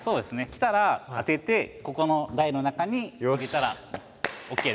来たら当ててここの台の中に入れたらＯＫです。